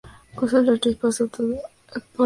La actriz pasó todo el programa en silencio.